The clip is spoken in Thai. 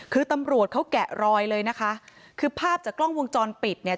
คือตำรวจเขาแกะรอยเลยนะคะคือภาพจากกล้องวงจรปิดเนี่ย